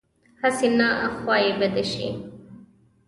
هسې نه خوا یې بده شي.